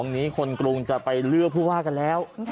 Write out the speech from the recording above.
นี้คนกรุงจะไปเลือกผู้ว่ากันแล้ว